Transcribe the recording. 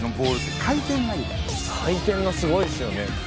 回転がすごいですよね。